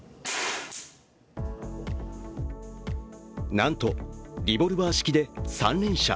なんとリボルバー式で３連射。